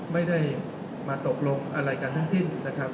ไม่ได้มาตกลงอะไรกันทั้งสิ้นนะครับ